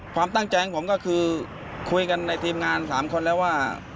ความตั้งใจของผมก็คือคุยกันในทีมงาน๓คนแล้วว่า